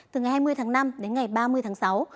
từ ngày hai mươi tháng năm đến ngày ba mươi tháng sáu